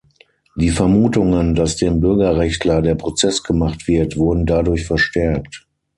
Die Vermutungen, dass dem Bürgerrechtler der Prozess gemacht wird, wurden dadurch verstärkt.